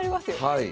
はい。